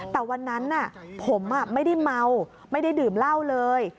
แต่วันนั้นผมไม่ได้เมาไม่ได้ดื่มเหล้าเลย